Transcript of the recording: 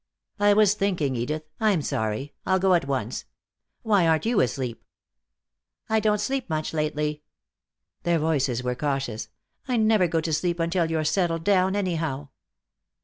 "I was thinking, Edith. I'm sorry. I'll go at once. Why aren't you asleep?" "I don't sleep much lately." Their voices were cautious. "I never go to sleep until you're settled down, anyhow."